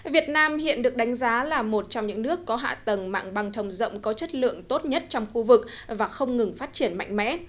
việt nam hiện được đánh giá là một trong những nước có hạ tầng mạng băng thông rộng có chất lượng tốt nhất trong khu vực và không ngừng phát triển mạnh mẽ